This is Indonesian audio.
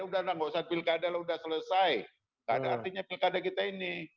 ya sudah enggak usah pilkada sudah selesai tidak ada artinya pilkada kita ini